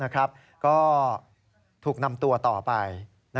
ก็ถูกนำตัวต่อไป